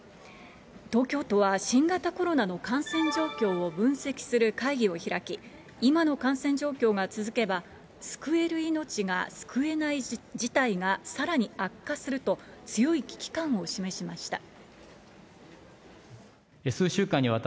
東京都は、新型コロナの感染状況を分析する会議を開き、今の感染状況が続けば、救える命が救えない事態がさらに悪化すると、強い危機感を示しました。